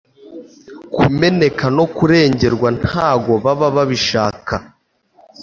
Kumeneka no kurengerwa ntago baba babishaka